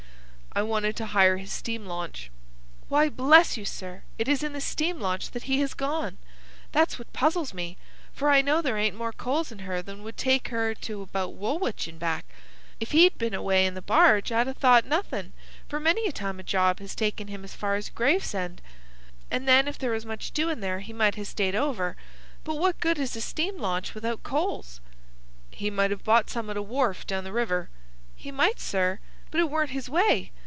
"I wanted to hire his steam launch." "Why, bless you, sir, it is in the steam launch that he has gone. That's what puzzles me; for I know there ain't more coals in her than would take her to about Woolwich and back. If he'd been away in the barge I'd ha' thought nothin'; for many a time a job has taken him as far as Gravesend, and then if there was much doin' there he might ha' stayed over. But what good is a steam launch without coals?" "He might have bought some at a wharf down the river." "He might, sir, but it weren't his way.